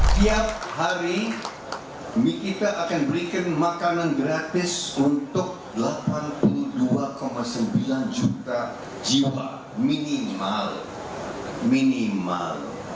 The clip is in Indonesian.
tiap hari mie kita akan berikan makanan gratis untuk delapan puluh dua sembilan juta jiwa minimal minimal